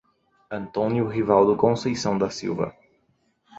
Antônio Rivaldo Conceição da Silva